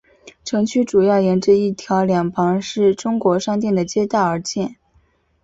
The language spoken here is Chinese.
城区主要沿着一条两旁是中国商店的街道而建。